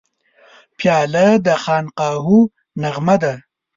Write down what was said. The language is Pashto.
پیاله د خانقاهو نغمه ده.